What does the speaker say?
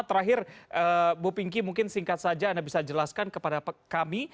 terakhir bu pinky mungkin singkat saja anda bisa jelaskan kepada kami